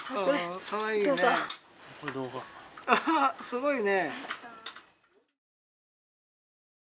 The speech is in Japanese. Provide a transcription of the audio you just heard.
すごいね。